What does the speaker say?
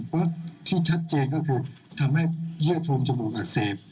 เพราะที่ชัดเจนก็คือทำให้เยื่อโพรงจมูกอักเสบ